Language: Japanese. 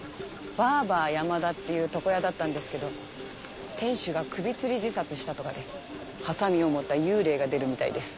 バーバー山田っていう床屋だったんですけど店主が首つり自殺したとかではさみを持った幽霊が出るみたいです。